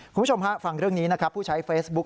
คุณผู้ชมฟังเรื่องนี้ผู้ใช้เฟซบุ๊ก